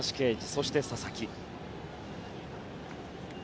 そして佐々木。